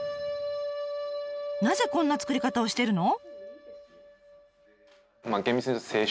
なぜこんな造り方をしてるの？